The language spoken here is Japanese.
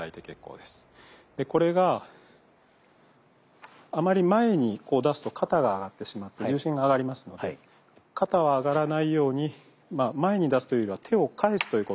でこれがあまり前にこう出すと肩が上がってしまって重心が上がりますので肩は上がらないように前に出すというよりは手を返すということ。